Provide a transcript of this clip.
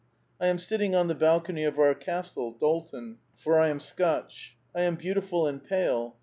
I am sitting on the bal cony of our castle. Dalton, for I am Scotch ; I am beautiful and pale.